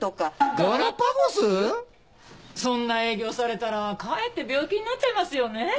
そんな営業されたらかえって病気になっちゃいますよねえ。